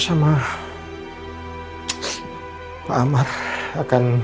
gimana aku sudah tahu